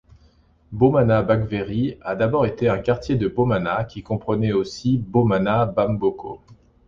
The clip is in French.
Bomana Bakweri a d'abord été un quartier de Bomana qui comprenait aussit Bomana Bamboko.